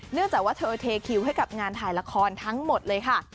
จากว่าเธอเทคิวให้กับงานถ่ายละครทั้งหมดเลยค่ะ